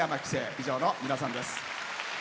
以上の皆さんです。